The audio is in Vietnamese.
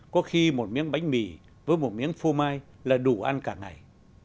có khi một miếng bánh mì với một miếng phô mai là đủ ăn cả ngày